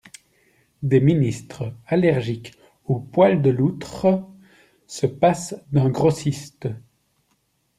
Des ministres allergiques aux poils de loutre se passent d'un grossiste.